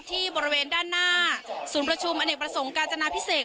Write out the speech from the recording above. ที่บริเวณด้านหน้าศูนย์ประชุมอเนกประสงค์กาญจนาพิเศษ